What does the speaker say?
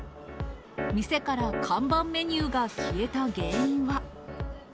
店から看板メニューが消えた原因は。